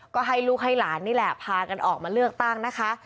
ก็ให้ลูกให้หลานนี่แหละพากันออกมาเลือกตั้งนะคะ